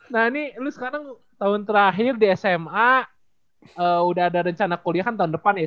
nah ini lu sekarang tahun terakhir di sma udah ada rencana kuliah kan tahun depan ya